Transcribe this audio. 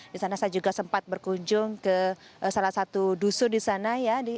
di sana saya juga sempat berkunjung ke salah satu dusun di sana ya